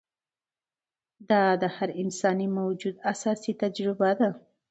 دا د هر انساني موجود اساسي تجربه ده.